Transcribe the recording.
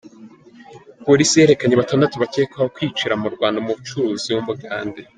Polisi yerekanye batandatu bakekwaho kwicira mu Rwanda umucuruzi w’Umugande